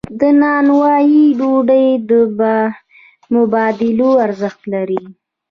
د نانوایی ډوډۍ مبادلوي ارزښت لري.